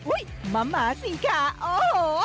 อุ๊ยมาสิค่ะโอ้โห